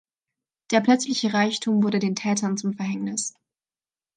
Der plötzliche Reichtum wurde den Tätern zum Verhängnis.